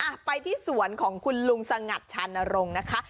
อ่ะไปที่สวนของคุณลุงสงัดชานรงค์นะคะ